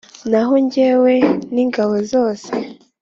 Naho jyewe n ingabo zose